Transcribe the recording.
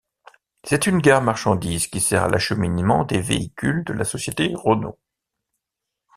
C'est une gare marchandises qui sert à l'acheminement des véhicules de la société Renault.